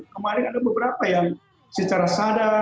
kemarin ada beberapa yang secara sadar